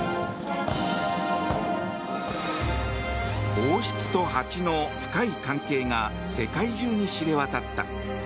王室とハチとの深い関係が世界中に知れ渡った。